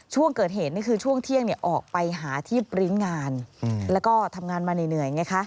ช่วงเกิดเหตุนี่คือช่วงเที่ยงออกไปหาที่ปริ้นต์งานแล้วก็ทำงานมาเหนื่อยไงคะ